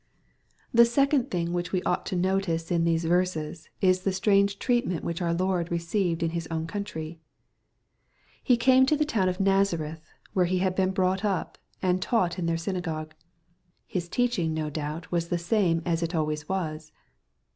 The second thing which we ought to notice in these 156 EXPOSITORY THOUGHTS. verses^ is the strange treatment which our Lord received in His own cotintry. He came to the town of Nazareth^ where He had been brought up, and " taught in their synagogue." His teaching, no doubt, was the same as it always was.